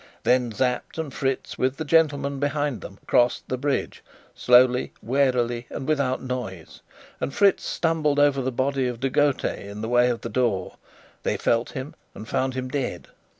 Then Sapt and Fritz, with the gentlemen behind them, crossed the bridge, slowly, warily, and without noise; and Fritz stumbled over the body of De Gautet in the way of the door. They felt him and found him dead.